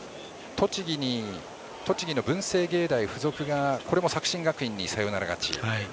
栃木の文星芸大付属が作新学院にサヨナラ勝ち。